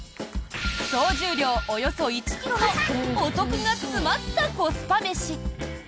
総重量およそ１ｋｇのお得が詰まったコスパ飯。